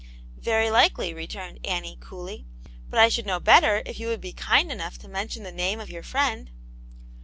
" "Very likely," returned Annie, coolly. "But I should know better if you would be kind enough to mention the name of your friend."